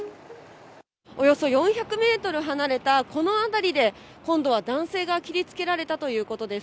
およそ４００メートル離れたこの辺りで、今度は男性が切りつけられたということです。